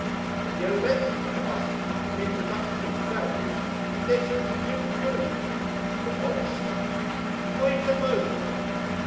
In the elementary class, in the introductory phase, conditions are too crude...." "For honesty." "Wait a moment.